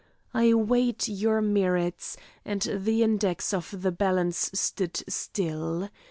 I weighed your merits, and the index of the balance stood still.